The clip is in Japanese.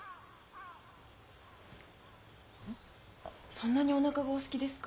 そんなにおなかがおすきですか？